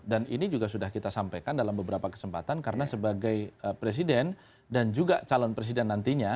dan ini juga sudah kita sampaikan dalam beberapa kesempatan karena sebagai presiden dan juga calon presiden nantinya